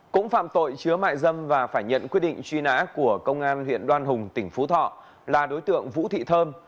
cũng phạm tội chứa mại dâm và phải nhận quyết định truy nã của công an huyện đoan hùng tỉnh phú thọ là đối tượng vũ thị thơm